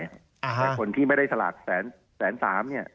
แต่คนที่ไม่ได้สลากแสนสามเนี่ย